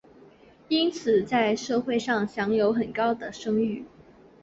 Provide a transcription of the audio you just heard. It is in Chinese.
因此在社会上享有很高声誉。